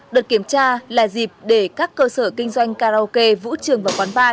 đợt kiểm tra là dịp để các cơ sở kinh doanh karaoke vũ trường và quán bar